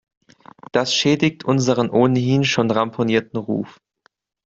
Das schädigt unseren ohnehin schon ramponierten Ruf.